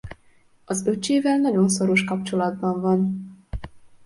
Az öccsével nagyon szoros kapcsolatban van.